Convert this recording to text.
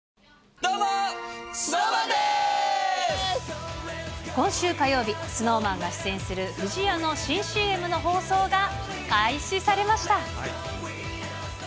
どうも、今週火曜日、ＳｎｏｗＭａｎが出演する不二家の新ＣＭの放送が開始されました。